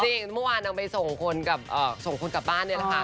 จริงเมื่อวานนางไปส่งคนกลับบ้านเนี่ยแหละค่ะ